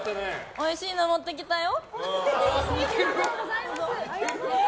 おいしいの、持ってきたよ。